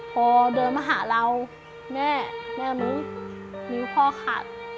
พอเดินมาหาเราแม่แม่มึงนิ้วพ่อขาด